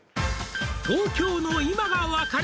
「東京の今が分かる」